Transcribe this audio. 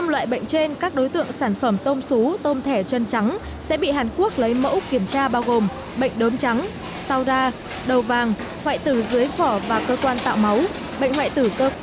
năm loại bệnh trên các đối tượng sản phẩm tôm xú tôm thẻ chân trắng sẽ bị hàn quốc lấy mẫu kiểm tra bao gồm bệnh đớm trắng tàu da đầu vàng hoại tử dưới vỏ và cơ quan tạo máu bệnh hoại tử cơ sở